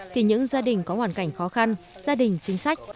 thì những gia đình có hoàn cảnh khó khăn gia đình chính sách